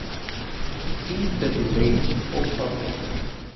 Tinta de leite, por favor.